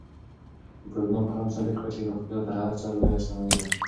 د کرونا بحران ثابت کړه چې روغتیا تر هر څه لویه شتمني ده.